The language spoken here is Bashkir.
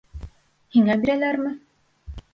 Һиңә бирәләрме?